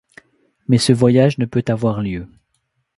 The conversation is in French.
Mais ce voyage ne peut avoir lieu.